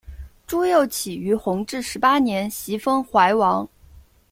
朱佑棨于弘治十八年袭封淮王。